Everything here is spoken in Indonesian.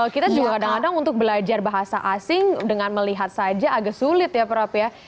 kita juga kadang kadang untuk belajar bahasa asing dengan melihat saja agak sulit ya prof ya